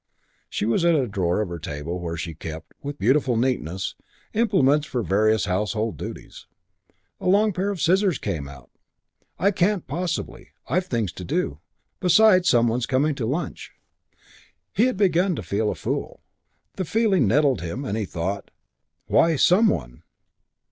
She was at a drawer of her table where she kept, with beautiful neatness, implements for various household duties. A pair of long scissors came out. "I can't possibly. I've things to do. Besides some one's coming to lunch." He began to feel he had been a fool. The feeling nettled him and he thought, "Why 'some one'?